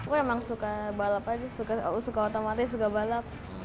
gue emang suka balap aja suka otomatis suka balap